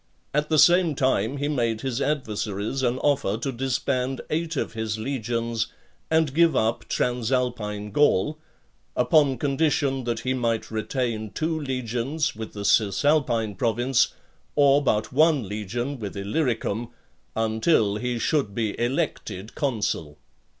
At the same time, he made his adversaries an offer to disband eight of his legions and give up Transalpine Gaul, upon condition that he might retain two legions, with the Cisalpine province, or but one legion with Illyricum, until he should be elected consul.